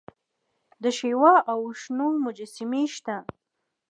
د شیوا او وشنو مجسمې شته